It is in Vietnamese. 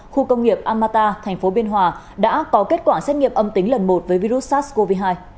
khu công nghiệp amata tp biên hòa đã có kết quả xét nghiệm âm tính lần một với virus sars cov hai